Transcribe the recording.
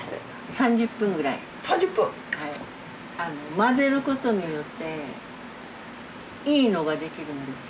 混ぜることによっていいのができるんですよ。